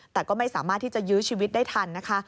แต่ก็ไม่สามารถที่จะยื้อชีวิตได้ทันนะคะ